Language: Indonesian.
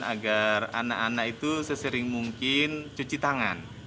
agar anak anak itu sesering mungkin cuci tangan